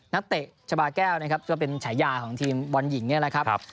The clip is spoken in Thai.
นักเตะชาบาแก้วนะครับก็เป็นฉายาของทีมบอลหญิงเนี่ยนะครับ